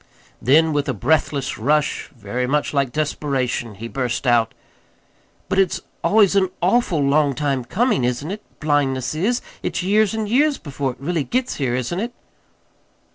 Then, with a breathless rush, very much like desperation, he burst out: "But it's always an awful long time comin', isn't it? Blindness is. It's years and years before it really gets here, isn't it?"